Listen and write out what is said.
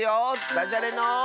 「だじゃれの」。